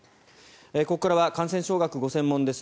ここからは感染症学がご専門です